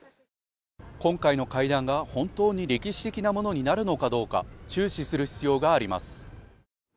今回の会談が本当に歴史的なものになるのかどうか注視する必要があります